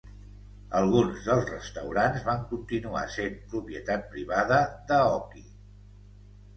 Alguns dels restaurants van continuar sent propietat privada d'Aoki.